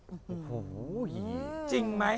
โอ้โฮเฮ่ยจริงไหม